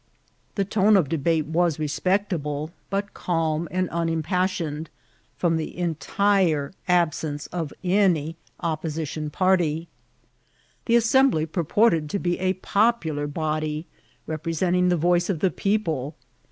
The tone of debate was re« spectable, but calm and unimpassioned, from the entire absence of any opposition party. The Assembly pur* ported to be a popular body, representing the voice of the people.